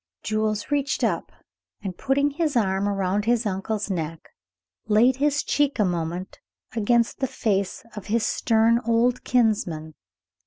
Jules reached up, and, putting his arms around his uncle's neck, laid his cheek a moment against the face of his stern old kinsman.